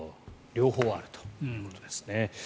両方あるということですね。